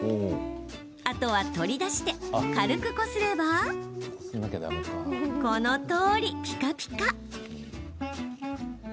あとは取り出して軽くこすればこのとおり、ピカピカ。